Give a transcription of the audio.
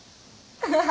ハハハ。